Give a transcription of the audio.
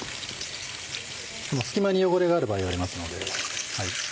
隙間に汚れがある場合がありますので。